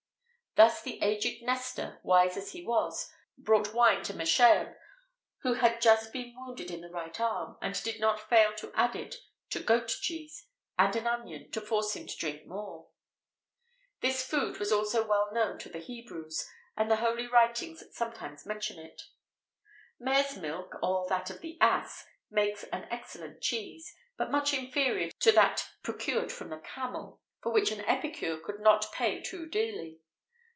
Thus the aged Nestor, wise as he was, brought wine to Machaon, who had just been wounded in the right arm, and did not fail to add to it goat cheese and an onion, to force him to drink more.[XVIII 41] This food was also well known to the Hebrews, and the holy writings sometimes mention it.[XVIII 42] Mare's milk, or that of the ass, makes an excellent cheese, but much inferior to that procured from the camel, for which an epicure could not pay too dearly.